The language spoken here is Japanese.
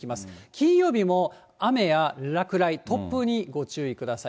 金曜日も雨や落雷、突風にご注意ください。